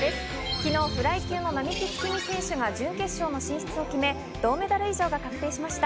昨日フライ級の並木月海選手が準決勝進出を決め、銅メダル以上が確定しました。